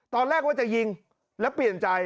ตอนแรกว่าจะยิงแล้วเปลี่ยนใจ